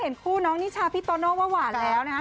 คู่น้องนิชาพี่โตโน่ว่าหวานแล้วนะคะ